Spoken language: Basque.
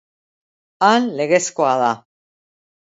Han, legezkoa da.